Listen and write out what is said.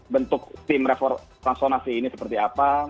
bentuk tim transformasi ini seperti apa